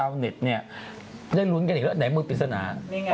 เน็ตเนี่ยได้ลุ้นกันอีกแล้วไหนมือปริศนา